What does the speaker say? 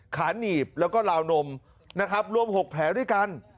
ขานีบแล้วก็ราวนมรวม๖แผลด้วยกัน